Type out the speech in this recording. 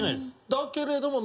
だけれども。